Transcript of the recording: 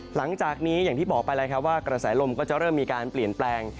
หลังจากนี้อย่างที่บอกไปแล้วครับว่ากระแสลมก็จะเริ่มมีการเปลี่ยนแปลง